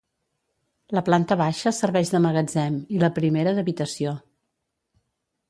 La planta baixa serveix de magatzem i la primera d'habitació.